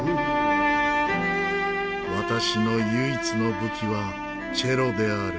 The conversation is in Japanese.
「私の唯一の武器はチェロである」。